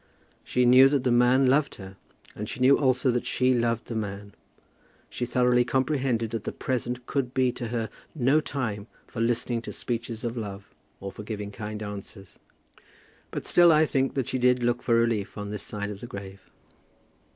She knew that the man loved her, and she knew also that she loved the man. She thoroughly comprehended that the present could be to her no time for listening to speeches of love, or for giving kind answers; but still I think that she did look for relief on this side of the grave.